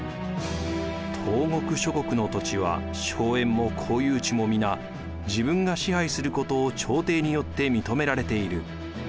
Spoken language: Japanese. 「東国諸国の土地は荘園も公有地も皆自分が支配することを朝廷によって認められている」。